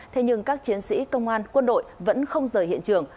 thế nhưng các chiến sĩ công an quân đội vẫn không rời hiện trường